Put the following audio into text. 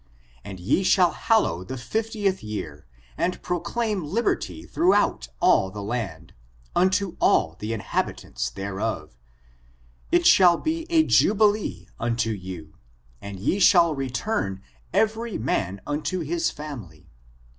And ye shall hallow the fiftieth year and proclaim liberty^ throughout all the land, unto all the inhabitants thereof: it shall be a jubilee unto you; and ye shall return every man unto his family.